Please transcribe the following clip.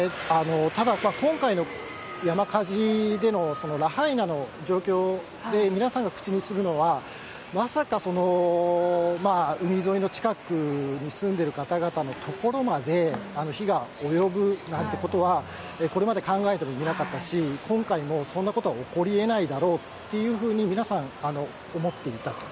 ただ、今回の山火事でのラハイナの状況で、皆さんが口にするのは、まさか海沿いの近くに住んでいる方々の所まで、火が及ぶなんてことは、これまで考えてもみなかったし、今回もそんなことは起こりえないだろうというふうに、皆さん、思っていたと。